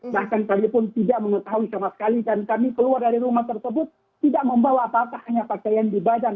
bahkan saya pun tidak mengetahui sama sekali dan kami keluar dari rumah tersebut tidak membawa apakah hanya pakaian di badan